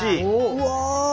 うわ！